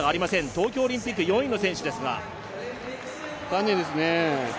東京オリンピック４位の選手ですが残念ですね。